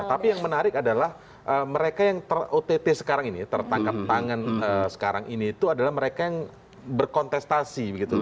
tapi yang menarik adalah mereka yang terott sekarang ini tertangkap tangan sekarang ini itu adalah mereka yang berkontestasi